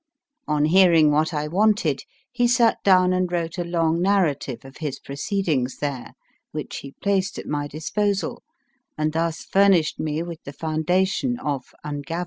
On hearing what I wanted he sat down and wrote a long narrative of his proceedings there, which he placed at my disposal, and thus furnished me with the foundation of Ungava.